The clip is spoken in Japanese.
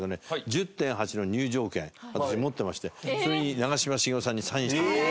１０．８の入場券私持ってましてそれに長嶋茂雄さんにサイン。